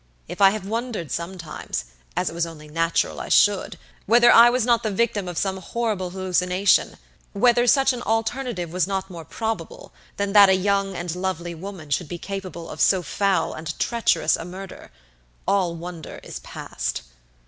If I have wondered sometimes, as it was only natural I should, whether I was not the victim of some horrible hallucination, whether such an alternative was not more probable than that a young and lovely woman should be capable of so foul and treacherous a murder, all wonder is past.